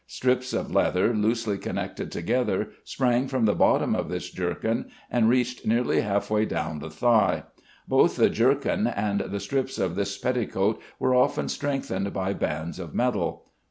Strips of leather loosely connected together sprang from the bottom of this jerkin, and reached nearly half way down the thigh. Both the jerkin and the strips of this petticoat were often strengthened by bands of metal.